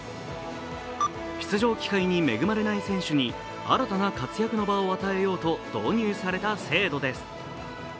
出場機会に恵まれない選手に新たな活躍の場を与えようと導入された制度です。